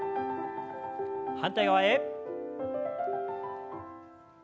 反対側へ。